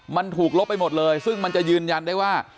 มันถูกลบไปหมดเลยซึ่งมันจะยืนยันได้ว่า